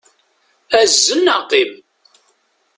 Azzel neɣ qqim!